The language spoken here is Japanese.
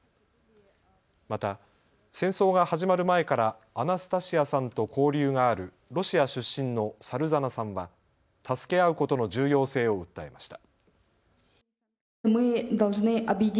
また戦争が始まる前からアナスタシアさんと交流があるロシア出身のサルザナさんは助け合うことの重要性を訴えました。